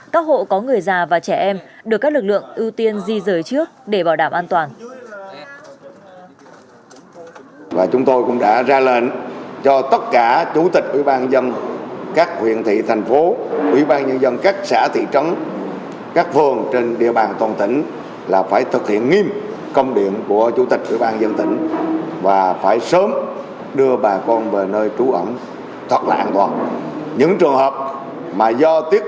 các hộ có người già và trẻ em được các lực lượng ưu tiên di rời trước để bảo đảm an toàn